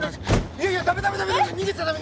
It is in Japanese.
いやいやダメダメダメダメ！